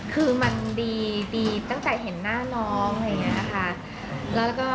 คือมันดีตั้งแต่เห็นหน้าน้องอะไรอย่างนี้ค่ะ